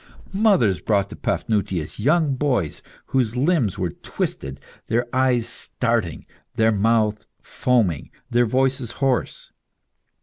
Mothers brought to Paphnutius young boys whose limbs were twisted, their eyes starting, their mouth foaming, their voices hoarse.